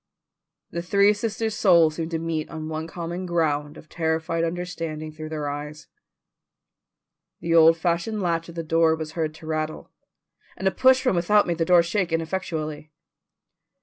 The three sisters' souls seemed to meet on one common ground of terrified understanding though their eyes. The old fashioned latch of the door was heard to rattle, and a push from without made the door shake ineffectually.